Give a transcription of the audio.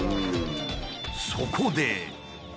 そこで。